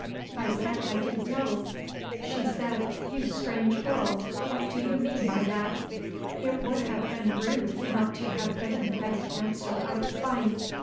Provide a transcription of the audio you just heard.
I said I didn't know. She said: "You strange girl, what do you mean by that?" It would have been rude not to have given the best answer I could find.